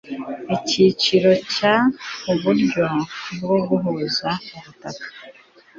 icyiciro cya uburyo bwo guhuza ubutaka